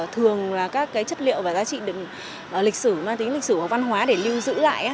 thường là các cái chất liệu và giá trị lịch sử mang tính lịch sử và văn hóa để lưu giữ lại